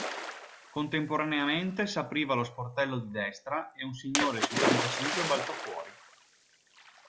Contemporaneamente s'apriva lo sportello di destra e un signore sui trentacinque balzò fuori.